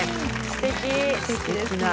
すてきですね。